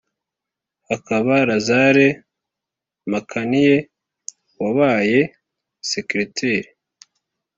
hakaba lazare mpakaniye wabaye secrétaire